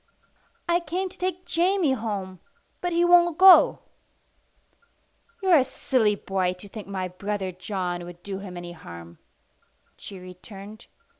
"I came to take Jamie home, but he won't go." "You're a silly boy to think my brother John would do him any harm," she returned.